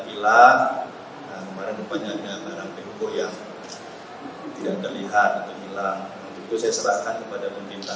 pilih barang barang yang tidak terlihat hilang itu saya serahkan kepada pemerintah